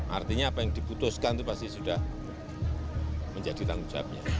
artinya apa yang diputuskan itu pasti sudah menjadi tanggung jawabnya